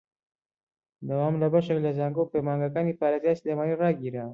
دەوام لە بەشێک لە زانکۆ و پەیمانگاکانی پارێزگای سلێمانی ڕاگیراوە